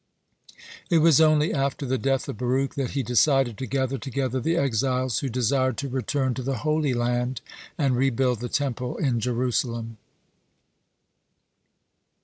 It was only after the death of Baruch that he decided to gather together the exiles who desired to return to the Holy Land and rebuild the Temple in Jerusalem.